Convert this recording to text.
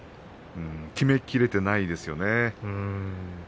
きめきれていないですよね。